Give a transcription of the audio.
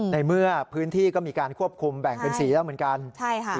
ในเมื่อพื้นที่ก็มีการควบคุมแบ่งเป็นสีแล้วเหมือนกันใช่ค่ะ